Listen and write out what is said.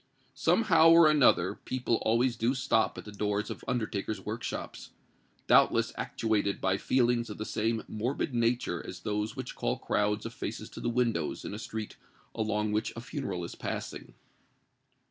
Somehow or another, people always do stop at the doors of undertakers' workshops—doubtless actuated by feelings of the same morbid nature as those which call crowds of faces to the windows in a street along which a funeral is passing.